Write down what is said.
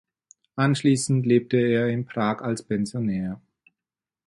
Anschließend lebte er in Prag als Pensionär.